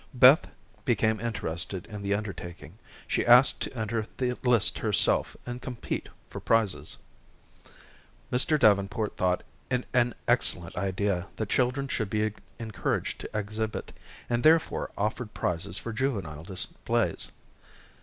Beth became interested in the undertaking. She asked to enter the lists herself and compete for prizes. Mr. Davenport thought it an excellent idea that children should be encouraged to exhibit, and therefore offered prizes for juvenile displays.